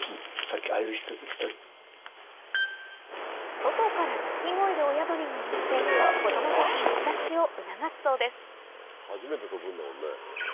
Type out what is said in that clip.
外から鳴き声で親鳥が呼んで子供たちの巣立ちを促すそうです